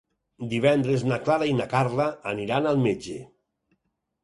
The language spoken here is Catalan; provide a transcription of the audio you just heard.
Divendres na Clara i na Carla aniran al metge.